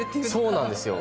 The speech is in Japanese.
そうなんですよ。